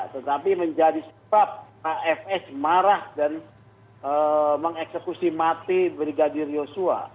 tetapi menjadi sebab pak fs marah dan mengeksekusi mati brigadir yosua